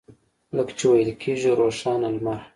لکه چې ویل کېږي روښانه لمر.